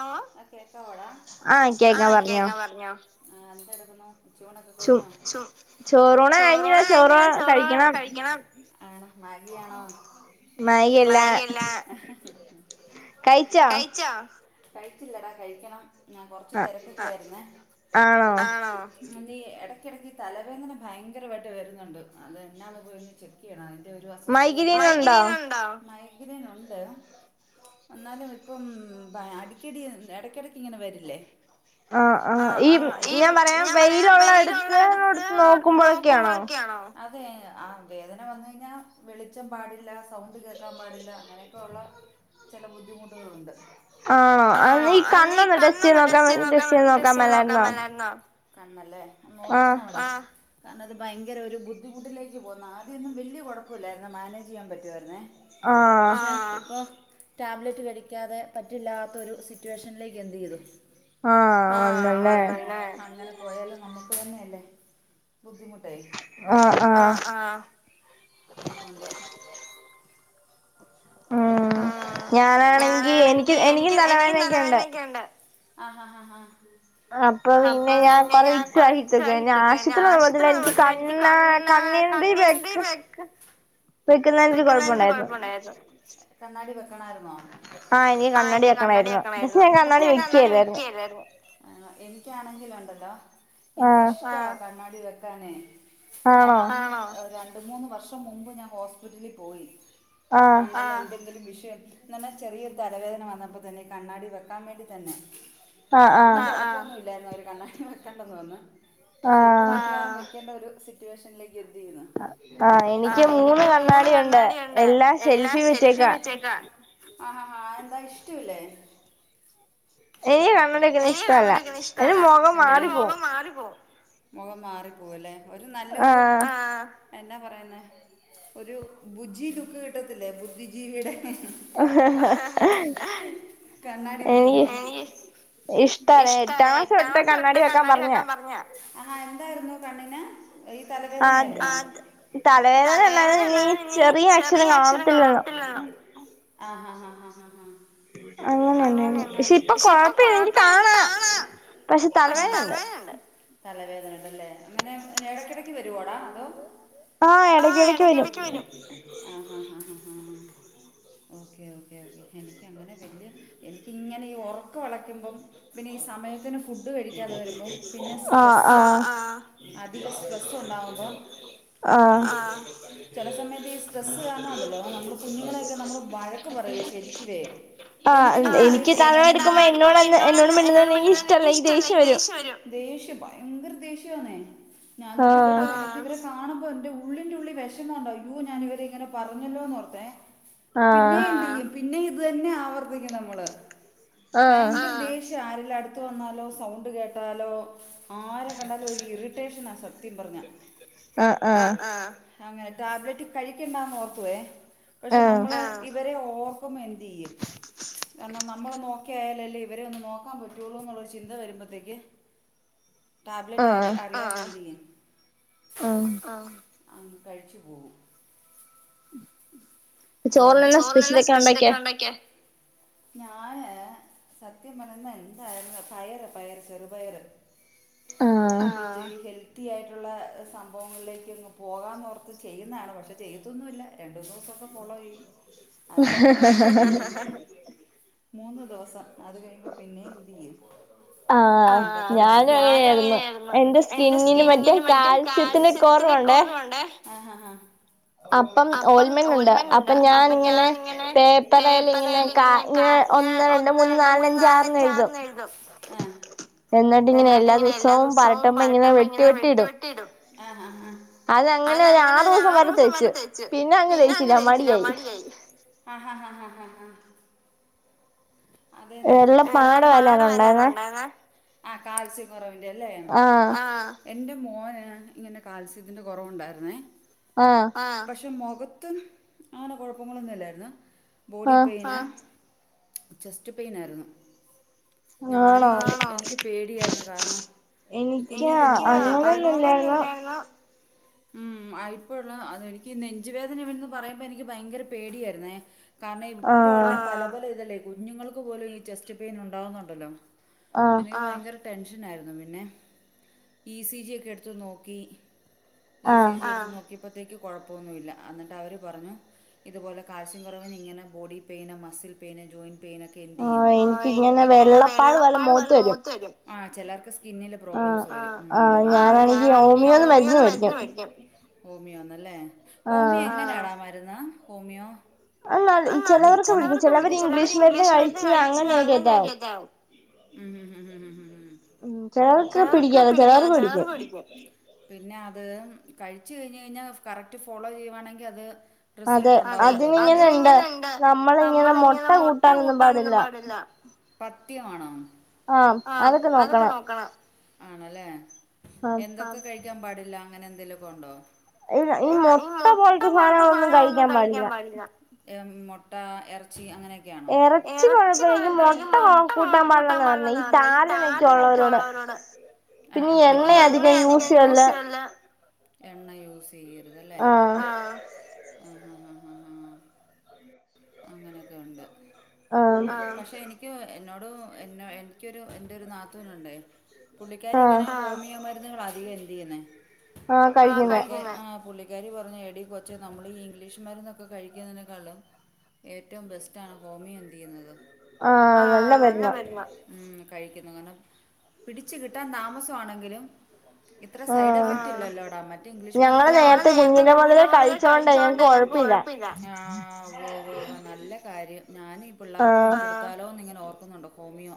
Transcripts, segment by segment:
ആഹ് ആഹ് കേക്കാവോടാ. ആഹ് കേക്കാം പർഞ്ഞോ, ആഹ് എന്തെടുക്കുന്നു ട്യൂണൊക്കെ കഴിഞ്ഞോ ച്ചൊ ചോറൂണ് കഴിഞ്ഞില്ല. ചോറു കഴിക്കണം. ആണോ മാഗിയാണോ? മാഗി യല്ലാ കയിച്ചോ? കയ്ച്ചോ കഴിചില്ലെടാ, കഴിക്കണം ഞാ കൊർച്ച് തെരക്കൊക്കായിരുന്നേ ആണോ? അതീ എടക്കെടക്ക് തലവേദന ഭയങ്കരവായിട്ട് വരുന്നുണ്ട്. അതെന്നാന്ന് പോയിട്ട്ചെക്ക് ക്കെയ്യണം. അയ്‌ന്റെ ഒരു അസ്വസ്ഥത [inaudible] മൈഗ്രീനുണ്ടോ ഗ്രേനുണ്ട് എന്നാലും പ്പം അടിക്കടി എടയ്ക്കെടയ്ക്കിങ്ങനെ വരില്ലേ ആഹ് ആഹ് ഈ ഞാൻ പറയാം വെയിലുള്ളടുത്ത് നോക്കുമ്പോഴൊക്കെയാണോ? അതെ ആ വേദന വന്നഴിഞ്ഞാ വെളിച്ചം പാടില്ല സൗണ്ട് കേക്കാൻ പാടില്ല അങ്ങനെയൊക്കെയുള്ള- ചെല ബുദ്ധിമുട്ടുകളുണ്ട് ആഹ് അ നീ കണ്ണൊന്ന് ടെസ്റ്റ്യ്ത് നോക്കാൻ ടെസ്റ്റ്യ്ത് നോക്കാൻ മേലാരുന്നോ കണ്ണല്ലേ നോക്കണോടാ കാരണത് ഭയങ്കരൊരു ബുദ്ധിമുട്ടിലേക്ക് പോകുന്നു ആദ്യൊന്നും വല്ലിയ കൊഴപ്പല്ലായിരുന്നു മാനേജ് ചെയ്യാൻ പറ്റുവായിരുന്നേ ആഹ് ഇപ്പൊ ടാബ്‌ലറ്റ് കഴി വേറെ പറ്റില്ലാത്തൊരു സിറ്റുവേഷനിലേക്ക് എന്ത് [unintelligible] തരും ആഹ് [unintelligible] ബുദ്ധിമുട്ടൈ ആഹ് ആഹ് അതുകൊണ്ട് ഉം ഞാനാണെങ്കി എനിക്ക് എനിക്കും തലവേനയൊക്കെയുണ്ട് ക്കെണ്ട് ആഹ് ഹാ ഹാ ഹാ അപ്പൊ പിന്നെ ഞാൻ കൊറീച്ചായി പിന്നെ ഞാആശുപത്രി [unintelligible] ൻക്ക് കണ്ണ് ആഹ് കണ്ണീൻ്റെ വെക്ക് വെക്കുന്നേനൊരു കൊഴപ്പണ്ടായിരുന്നു കണ്ണാടി വെക്കണാരുന്നോ ആഹ് ഇനി കണ്ണാടി വെക്കണായിരുന്നു പക്ഷെ ഞാൻ കണ്ണാടി വെക്കില്ലായിരുന്നു ആഹ് എനിക്കാണെങ്കിലുണ്ടല്ലോ എനിക്കിഷ്ടല്ല കണ്ണാടി വെക്കാനേ ഞാൻ [unintelligible] രണ്ട് മൂന്ന് വർഷം മുമ്പ് ഞാൻ ഹോസ്പിറ്റലിൽ പോയി കണിന് എന്തെകിലും വിഷയം- ഇന്നലെ ചെറിയൊരു തലവേദന വന്നപ്പൊതന്നെ ഈ കണ്ണാടി വെക്കാൻ വേണ്ടി തന്നെ- പക്ഷെ അന്ന് കൊയപ്പന്നുല്ലായിരുന്നു അവര് കണ്ണാടി വെക്കണ്ടെന്ന് പറഞ്ഞ് പക്ഷെ ഇപ്പൊ [unintelligible] വെക്കേണ്ടൊരു സിറ്റുവേഷനിലേക്ക് എത്തീന് ആഹ് ആ എനിക്ക് മൂന്ന് എനിക്ക് മൂന്ന് കണ്ണാടിയുണ്ട് എല്ലാം ഷെൽഫിൽ വെച്ചേക്കാ ആഹ് ഹാ ഹാ എന്താ ഇഷ്ടല്ലേ എനിക്ക് കണ്ണട വെക്ക്ണ ഇഷ്ടല്ല എന്റെ മൊഖം മാറിപ്പോവും മാറിപ്പോകും മൊഖം മാറിപോവല്ലെ ഒരു നല്ലൊരു ആഹ് എന്നാ പറയുന്നെ ഒരു ബുജി ലുക്ക് കിട്ടത്തില്ലേ ബുദ്ധിജീവിയുടെ കണ്ണാടി വെക്കുമ്പോ ഇഷ്ടാണ് എട്ടാം ക്ലാസ്സ് തൊട്ട് കണ്ണാടി വെക്കാംപറഞ്ഞേയ ആഹ എന്തായിരുന്നു കണ്ണിന്- ഈ തലവേദനയായിരുന്നൊ അത് തലവേദന ഉണ്ടായിരുന്നു പിന്നെ ഇനി ചെറിയ അക്ഷരം കാണത്തില്ലരുന്നു ആഹ് ഹാ ഹാ അങ്ങനെണ്ടായിരുന്നു പക്ഷെ ഇപ്പൊ കൊഴ പ്പെനിക്ക് കാണാ പക്ഷെ തലവേദനണ്ട് തലവേദന ഉണ്ടല്ലേ ഇങ്ങനെ എടക്കെടക്ക് വരോടാ അതോ ആഹ് എടക്കെടക്ക് വരും ആഹഹാ ഹാ ഹാാ ഓക്കേ ഓക്കേ ഓക്കേ എനിക്കങ്ങനെ ജെല്ല് എനിക്കിങ്ങനേ ഈ ഒറക്കൊള [unintelligible] യ്ക്കു ഇപ്പം പിന്നേ ഈ സമയത്തിന് ഫുഡ്ഡ് കഴിക്കാത്തവരക്കും പിന്നെ സ്‌ട്രെസ്സ് ആഹ്‌ ആഹ്‌ അധികം സ്ട്രെസ്സുണ്ടാവുമ്പോ ആഹ് ചെല സമയത്ത് ഈ സ്ട്രെസ്സ് കാരണണ്ടല്ലോ നമ്മള് കുഞ്ഞുങ്ങളെയൊക്കെ നമ്മള് വഴ ക്ക് പറയ ശരിക്കേ എനിക്ക് താന്നെ അറിയത്തില്ല - തൊടങ്ങ് [unintelligible] എന്നോടൊന്ന് എന്നോട് മിണ്ടുന്നില്ലെങ്ങി ഇഷ്ടല്ല എനിക്ക് ദേഷ്യം വരും ദേഷ്യം ഭയങ്കര ദേഷ്യാണേ ഞാൻ ന്നിട്ട് ഇവറ്ക്ക് [unintelligible] കാണുമ്പോ എന്റെ ഉള്ളിന്റെയുള്ളിൽ വിഷമോണ്ടയ്യോ ഞാനിവരേ ഇങ്ങനെ പറഞ്ഞല്ലോന്നോർത്തേ പിന്നെന്ത്യ്യും പിന്നെയും ഇത് തന്നെയാ ആവർത്തിക്കും നമ്മള് ഭയങ്കര ദേ പക്ഷേ ആരേലും അടുത്ത് വന്നാലോ സൗണ്ട് കേട്ടാലോ- ആരെ കണ്ടാലും ഒരു ഇറിട്ടേഷനാ സത്യം പറഞ്ഞാ ആഹ് ആഹ് അങ്ങനെ ടാബ്ലെറ്റ് കഴിക്കണ്ടാന്ന് ഓർക്കുവേ പക്ഷെ നമ്മള് ഇവരെ ഓ പ്പോമ്പോ, എന്തീയ്യും. കാരണം, നമ്മളെ നോക്കിയായാലല്ലേ, ഇവര്. ഒന്ന് നോക്കാൻ പറ്റൊള്ളൂ ന്നുള്ളൊരു, ചിന്ത വരുമ്പത്തേക്ക്. ടാബ്ലറ്റ്, ആഡ്, അഡ്, അങ്ങ് കഴിച്ചു പോകും. ചോറിന്ള്ള, സ്പെഷ്യലക്കെ ഉണ്ടാക്ക്യോ? സത്യം പറഞ്ഞാ, എന്തായിരുന്നു? പയറ്, പയറ്, ചെറുപയറ്. ആഹ്, വൃത്തിയായിട്ടുള്ള, സംഭവങ്ങളിലേക്കങ്ങ്, പോകാന്നോർത്ത് ചെയ്യുന്നാണ്. പക്ഷെ, ചെയ്യത്തൊന്നുല്ല! രണ്ടൂ, ന്നൂ, സൊക്കെ, ഫോളോയ്യും. അത് കഴിഞ. മൂന്ന്, ദിവസം. അത് കഴിയുമ്പോൾ പിന്നേം. [unintelligible] ആഹ്, ആഹ്, ഞാനും, അങനേര്ന്നു. എന്റെ, സ്കിന്നിന് മറ്റേ. കാൽസ്യത്തിന് കൊറവ്ണ്ടേ ആഹ്ഹാ അപ്പം ഓയിൽമെന്റ് ഉണ്ട് അപ്പം ഞാനിങ്ങനെ പേപ്പറേല് ഇങ്ങനെ കാ ങേ ഒന്ന് രണ്ട് മൂന്ന് നാല്ഞ്ചാറ്ന്ന് എഴുതും ഏ എന്നിട്ട് ങ്ങനേ, എല്ലാ ദിവസവും, പര ട്ടുമ്പോ ഇങ്ങനേ വെട്ടി, വെട്ടിടും. ആഹ്‌, ആഹ്, ഹാ, ഹാ, അതങ്ങനെ ഒരു, ആറു, മാസം വരെ, തയ്ച്. പിന്നെ, അങ്ങ് തേയ്ച്ചില മടിയേ യി. ഹാ, ഹാ, ഹാ, ഹാ, ഹാ, അതേ, അതേ, ആഹ്, കാൽസ്യക്കൊറവിന്റെ അല്ലേ? എൻ്റെ, മോന്, ഇങ്ങനെ, കാൽസ്യത്തിൻ്റെ- കൊറവുണ്ടായിരുന്നേ? ആഹ്, പക്ഷെ, മൊഖത്തും അങ്ങനെ കൊഴപ്പങ്ങളൊന്നുല്ലായിര്ന്നു. Body pain. ചെസ്റ്റ്, പെയിൻ ആയിരുന്നു. ഞാന എനിക്ക്, പേടിയായിരുന്നു, കാരണം. [unintelligible] ഉം, ഉം, ഉം, ആയിപ്പോഴ്ള്ള അത്, എനിക്ക് നെഞ്ചുവേദന വര്ന്നു, പറയുമ്പോ- എനിക്ക്, ഭയങ്കര, പേടിയായിരുന്നേ? കാരണം, ഇപ്പോള്ള പല, പല, ഇതല്ലേ? കുഞ്ഞുങ്ങൾക്ക് പോലും, ഈ, ചെസ്റ്റ് പെയിൻ ഉണ്ടാവുന്നുണ്ടല്ലോ? എനിക്ക്, ഭയങ്കര ടെൻഷനായിരുന്നു. പിന്നെ. ഇ, സി, ജി, ഒക്കെ, എടുത്തു നോക്കീ. ഇ, സി, ജി, ട്ത് നോക്കിയപ്പത്തേക്ക് കൊഴപ്പൊന്നുല്ല. ന്നിട്ട്, അവര്, പറഞ്ഞു. ഇത്പോലെ, കാൽസ്യ, കൊറവിന് ഇങ്ങനെ body, pain, muscle pain, joint, pain, ഒക്കെ. ആഹ്‌, എനിക്കിങ്ങനെ, വെള്ളപ്പാഴ് പോലെ മോത്ത് വരും. ആഹ്, ആഹ്‌ ഞാനാണെങ്കി, ഹോമിയോന്ന്, മരുന്ന്, മേടിക്കും. ഹോമിയോന്നല്ലേ. ഹോമിയോ എങ്ങനേടാ, മര്ന്ന്, ഹോമിയോ? ആഹ്‌, ഇ ചെലവർക്ക്, പിടിക്കും. ചിലവര്, ഇംഗ്ലീഷ് മരുന്ന് കഴിച്ച്,, അങ്ങനെക്കെ ആയിരിക്കും. [unintelligible] ചിലോർക്, പിടിക്കേല. ചേലോർക്ക്, പിടിക്കും. പിന്നെ, അത്, കഴിച്ചു കഴിഞ്ഞ് കഴിഞ്ഞാൽ, കറക്റ്റ് ഫോളോ ചെയ്യുവാണെങ്കിൽ, അത്. റിസൾട്ടുണ്ട [unintelligible] പത്യമാണോ, ആഹ്, അതൊക്ക നോക്കണം. ആണല്ലേ, എന്തൊക്കെ കഴിക്കാൻ പാടില്ല? അങ്ങനെ, ന്തേലുക്ക ഉണ്ടോ? ഈ, ഈ, മൊട്ട, പോലത്തെ സാധനങ്ങളൊന്നും, കഴിക്കാൻ പാടില്ല. എ, മൊട്ട, എറച്ചി, അങ്ങനെയൊക്കെയാണ്. ഇറച്ചി, കുഴപ്പഴേക്കും മൊട്ട, കൂട്ടാൻ പാടില്ലന്ന പറഞ്ഞ. ഈ താരനൊക്കെയു ള്ളവരോട്. പിന്നീ, എണ്ണ, യധികം യൂസ് ചെയ്യല്ല. എണ്ണ, യൂസ് ചെയ്യരുതല്ലേ. ആഹ്, അങ്ങനെയൊക്കെ, യുണ്ട്. പക്ഷെ, എനിക്ക്, എന്നോട് എനിക്കൊരു, എന്റെ, ഒരു നാത്തൂനണ്ടേ? പുള്ളിക്കാരി, ഇങ്ങനെ, ഹോമിയോ, മരുന്കള അധികം എന്ത് ചെയ്യുന്നെ? ക്കാരി പറഞ്. എടീ, കൊച്ചെ, നമ്മളീ, ഈ ഇംഗ്ലീഷ് മരന്നൊക്കെ, കഴിക്കുന്നതിനേക്കാൾ, ളും. ഏറ്റവും ബെസ്റ്റ് ആണ്. ഹോമിയ എന്ത് ചെയ്യുന്നത്. ഉം, കഴിക്കുന്നു. കാരണം, പിടിച് കിട്ടാൻ താമസമാണെങ്കിലും. ഇത്ര, സൈഡ് എഫക്ട് ഇല്ല, ല്ലോ, ടാ. ആഹ്, ഉവ്, ഉവ്, ഉവ്, നല്ല കാര്യം. ഞാനീ പിള്ള... ള്ളാർക്ക് കൊടുക്കാലോ, ന്ന്, ങ്ങനെ ഓർക്കുന്നുണ്ട്. ഹോമിയോ?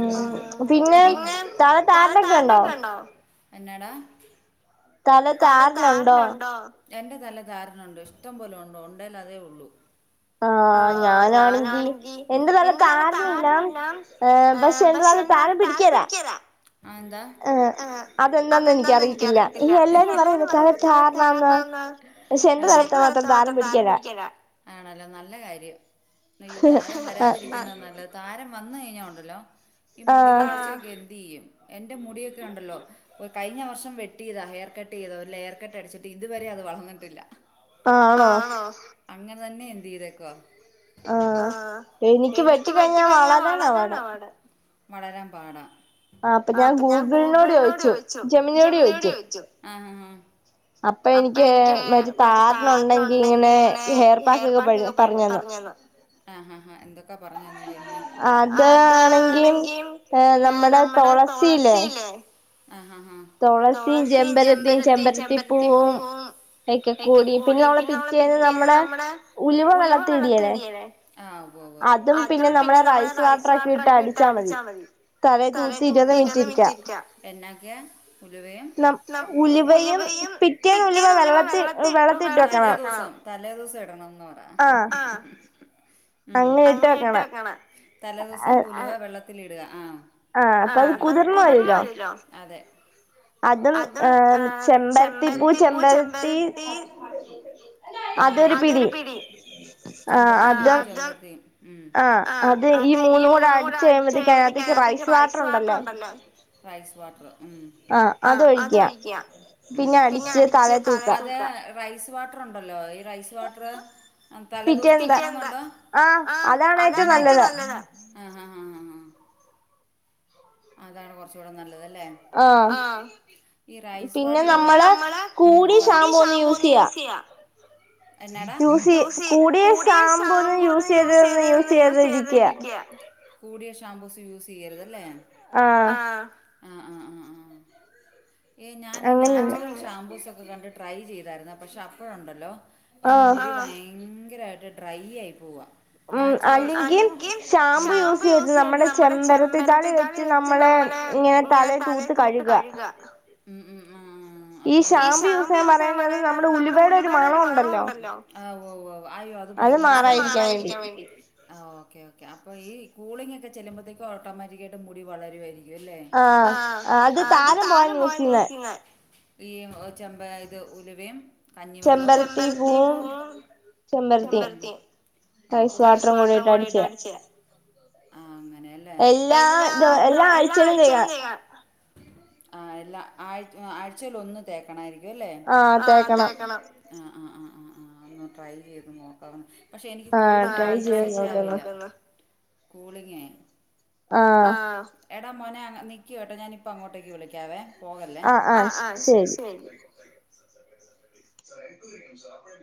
ഉം, പിന്നെ, തല, താരനൊക്കെ. ണ്ടോ? എന്നടാ തല താരനുണ്ടോ എൻ്റെ തലേ താരന് ഉണ്ട് ഇഷ്ടംപോലെ ഉണ്ടോ ഉണ്ടേൽ അതേ ഉള്ളൂ ആഹ് ഞാൻ ഞാനാണെങ്കി എൻ്റെ തലേൽ താരനില്ല പക്ഷെ എൻ്റെ തലേ താരൻ പിടിക്കൂല അതെന്താന്ന എനിക്ക അറിയത്തില്ല എല്ലാരും പറ തലേ താരനാന്നാ പക്ഷെ എന്റെ തലത്തെ മാത്രം താരൻ പിടിക്കലാ ആണല്ലോ നല്ല കാര്യം അയ്യോ താരം വരാതിരിക്കുന്നതാ നല്ലത് താരം വന്ന കഴിഞ്ഞുണ്ടല്ലോ ഈ മുടി വള എന്ത്തു ചെയ്യും എന്റെ മുടിയൊക്കെ ഉണ്ടല്ലോ ഒരു കഴിഞ്ഞ വർഷം വെട്ട ചെയ്താ ഹെയർ കട്ട് ചെയ്താല്ല ഹെയർ കട്ട് അടിച്ചിട്ട് ഇതുവരെ അത് വളർന്നിട്ടില്ല ആ അങ്ങനെ തന്നെ എന്ത് ചെയ്തേക്കുവ ആഹ് എനിക്ക് വെട്ടിക്കഴിഞ്ഞാ വളരാണാ പാട് വളരാൻ പാട ആ അപ്പ ഞാൻ ഗൂഗിളിനോട് ചോദിച്ചു ജമിനിനോട് ചോദിച്ചു ആഹ് അപ്പൊ എനിക്ക് മറ്റ താരണ ഉണ്ടെങ്കി ഇങ്ങനെ ഹെയർ പാക്ക് ഒക്കെ പറഞ്ഞന്നോ ആ ഹ എന്തൊക്കെ പറഞ്ഞ തന്ന കേൾകട്ടെ അതാണെങ്കിൽ നമ്മുടെ തുളസില്ലേ അ ഹ ഹ തുളസിയും ചെമ്പരത്തിയും ചെമ്പരത്തിപ്പൂവും ഒക്കെ കൂടി പിന്നെ നമ്മളെ പിറ്റേന്ന് നമ്മളെ ഉലുവ വെള്ളത്തി ഇടിയല്ലേ അതും പിന്നെ നമ്മളെ റൈസ് വാട്ടർ ഒക്കെ ഇട്ട് അടിച്ചാ മതി തലേന്ന് തൂത്തിരുന്ന് മറ്റിരിക്ക എന്നൊക്കെ ഉലുവയും ഉലുവയും പിറ്റേന്ന് ഉലുവ വെള്ളത്തി വെള്ളത്തി ഇടണം തലേ ദിവസം ഇടണംന്ന് പറ ഉ അങ്ങനയിട്ട് വെക്കണം തലേ ദിവസം ഉലുവ വെള്ളത്തി ഇടുക ആ ആഹ അപ്പ അത് കുതിർന്ന് വരില്ലോ അതെ അതും ഏർ ചെമ്പരത്തി പൂ ചെമ്പരത്തി ആ അതൊരു പിടി ആ അതും ആ അത് ഈ മൂന്നുകൂടെ അടിച്ച് കഴിയുമ്പോത്തേക്ക അകത്തേക്ക് റൈസ് വാട്ടർ അല്ല റൈസ് വാട്ടർ ഉ ആ അത് ഒഴിക്ക പിന്നെ അടിച്ച് തലേ റൈസ് വാട്ടറുണ്ടല്ലോ ഈ റൈസ് വാട്ടർ അ തലേ ദിവസ പിറ്റേന്ന്നോക്കആ അതാണ് ഏറ്റവും നല്ലത് അ അ അ. ആഅതാണ് കുറച്ചൂടെ നല്ലതല്ലേ. ആഹ് പിന്നെ നമ്മള് കൂട്യ ഷാംമ്പ്വൊന്ന് യൂസെയ്യാ [inaudible] യൂസ് കൂടിയ ഷാമ്പൂ ഒന്ന് യൂസെയ്ത് ന്ന് യൂസെയ്യാതെ ഇരിക്കയാ കൂടിയ ഷാംമ്പൂസ് യൂസെയ്യരുതല്ലേ ആഹ് ആഹ് ആഹ് ആഹ് ആഹ് ഏയ് ഞാനീ ഈ നാച്ചുറൽ ഷാമ്പൂസൊക്കെ കണ്ട് ട്രൈ ചെയ്തായിരുന്നെ പക്ഷെ അപ്പഴൊണ്ടല്ലോ ഈ മുടിഅ ഭയങ്കര യായിട്ട് ഡ്രൈ ആയി പോവ നാച്ചുറൽസ് അല്ലെങ്കി ഷാംമ്പൂ യൂസെയ്ത് നമ്മുടെ ചെമ്പരത്തിതാൾ - തേച്ച് നമ്മള് ഇങ്ങെ തേല തൂത്ത് കഴ്ക ഉം ഉം ഉം ഉം. ഉം അപ്പൊ ന- ഈ ഷാമ്പു യുസെയ്യാൻ പറയുന്നത് നമ്മുടെ ഉലുവയുടെ ഒരു മണം ഉണ്ടല്ലോ, ആ ഉവ്വ് ഉവ്വ് ഉവ്വ് അയി വാ അഭയങ്കര ചുടാ അത് മാറായിരിക്കാൻ വേണ്ടി ആഹ് ഓക്കെ ഓക്കെ അപ്പോ ഈ കൂളിംഗ് ഒക്കെ ചെല്ലുമ്പോത്തേക്കും ഓട്ടോമാറ്റിക്കായിട്ട് മുടി വളരുവായിരി യല്ലേ ആഹ് അത് താരൻ [unintelligible] ഈ മ് ചെമ്പാ- ഇത് ഉലുവയും കഞ്ഞിവെള്ളോം ചെമ്പരത്തി പൂവും ചെമ്പരത്തീം. ഓകെ, ഐസ് വാട്ടറും കൂടീട്ട് അടിച്ച്യ ആ അങ്ങനെ എല്ലാ ഇത് എല്ലാ ആഴ്ചയിലും ചെയ്യാ ആഹ് എല്ലാ ആഴ് ആഴ്ചേൽ ഒന്ന് തേക്കണായിരിക്കും അല്ലേ ആഹ് തേക്കണം ആആ ആ ആ ആ ഒന്ന് ട്രൈ ചെയ്ത് നോക്കണം പക്ഷെ എനിക്ക് കൂടുതൽ ആഹ് ട്രൈ ചെയ്യാൻ നോക്ക്ന്ന് കൂളിങ്ങെ ആ. എടാ മോനെ അ നിക്കി കേട്ടൊ ഞാനിപ്പങ്ങോട്ടേക്ക് വിളിക്കാവേ പോകല്ലെ ആ ആ ശരി. [unintelligible]